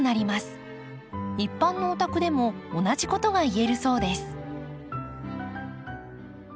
一般のお宅でも同じことがいえるそうです。